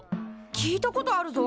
聞いたことあるぞ。